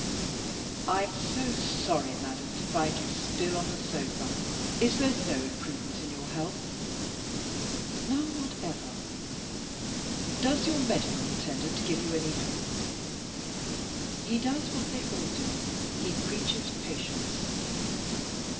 "I am sorry, madam, to find you still on the sofa. Is there no improvement in your health?" "None whatever." "Does your medical attendant give you any hope?" "He does what they all do he preaches patience.